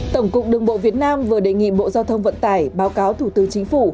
tổng cục đường bộ việt nam vừa đề nghị bộ giao thông vận tải báo cáo thủ tướng chính phủ